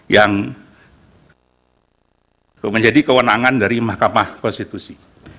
yang menjadi kewenangan dari mahkamah konstitusi